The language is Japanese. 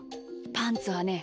パンツはね